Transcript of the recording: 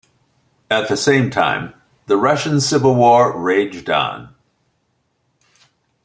At the same time, the Russian civil war raged on.